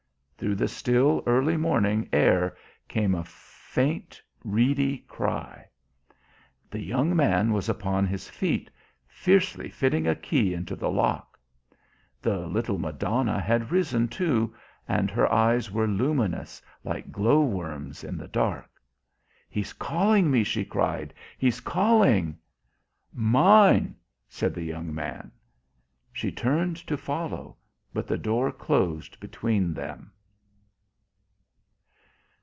Through the still, early morning air came a faint, reedy cry. The young man was upon his feet, fiercely fitting a key into the lock. The little Madonna had risen, too, and her eyes were luminous, like glowworms in the dark. "He's calling me," she cried. "He's calling." "Mine," said the young man. She turned to follow, but the door closed between them.